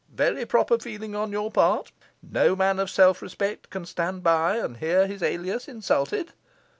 Very proper feeling on your part; no man of self respect can stand by and hear his alias insulted.